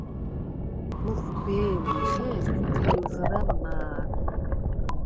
მუხვბე̄მი ხეხვ თელღრა მა̄რ.